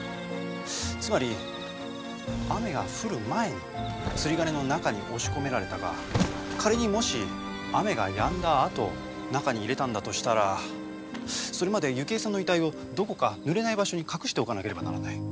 つまり雨が降る前に釣り鐘の中に押し込められたか仮にもし雨がやんだあと中に入れたんだとしたらそれまで雪枝さんの遺体をどこか濡れない場所に隠しておかなければならない。